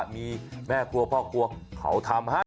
มีแม่ครัวพ่อครัวเขาทำให้